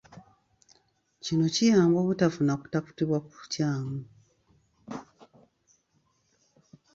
Kino kiyamba obutafuna kutaputibwa kukyamu.